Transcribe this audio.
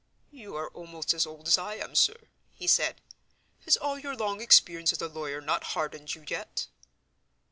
"You are almost as old as I am, sir," he said. "Has all your long experience as a lawyer not hardened you yet?"